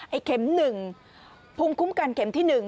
ไอ้เข็มหนึ่งภูมิคุ้มกันเข็มที่หนึ่ง